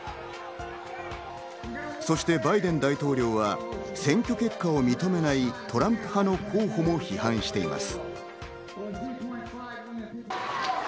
そしてバイデン大統領は選挙結果を認めないトランプ派の候補も批判しています。